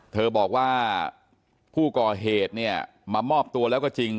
เธอบอกว่าคู่กรเหตุมามอบตัวแล้วก็จริง